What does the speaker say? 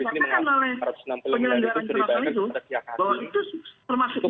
dan misalkan oleh pengelolaan permasalahan itu